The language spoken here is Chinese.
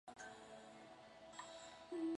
朝鲜柳是杨柳科柳属的植物。